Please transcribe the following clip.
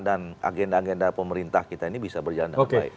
dan agenda agenda pemerintah kita ini bisa berjalan dengan baik